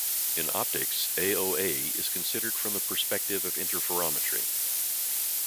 In optics, AoA is considered from the perspective of interferometry.